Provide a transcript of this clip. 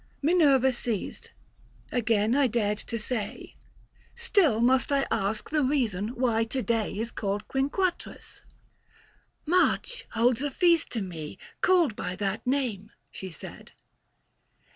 , Minerva ceased : again I dared to say, " Still must I ask the reason why to day 840 Is called Quinquatrus ?"" March holds a feast to me Called by that name," she said.